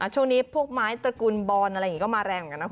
ช่วงนี้พวกไม้ตระกูลบอลอะไรอย่างนี้ก็มาแรงเหมือนกันนะคุณ